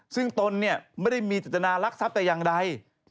ซึ่งตนเนี่ยไม่ได้มีจิตนารักทรัพย์แต่อย่างใด